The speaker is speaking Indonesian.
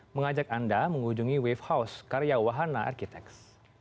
mengajak anda mengunjungi wave house karya wahana arkitex